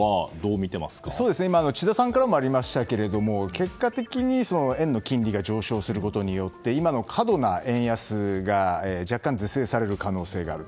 今の智田さんもありましたが結果的に円の金利が上昇することによって今の過度な円安が若干是正される可能性がある。